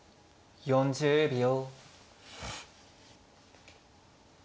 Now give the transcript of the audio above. ４０秒。